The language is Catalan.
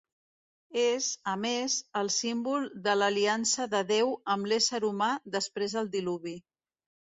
És, a més, el símbol de l'Aliança de Déu amb l'ésser humà després del Diluvi.